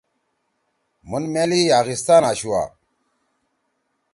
مھون میل لی یاغستان آشوا۔